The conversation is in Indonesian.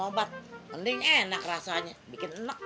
mending enak rasanya bikin enek